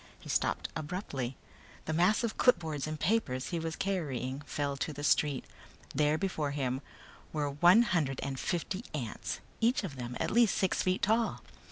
He stopped abruptly. The mass of clipboards and papers he was carrying fell to the street. There before him were one hundred and fifty ants, each of them at least six feet tall.